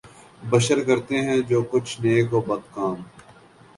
بشر کرتے ہیں جو کچھ نیک و بد کام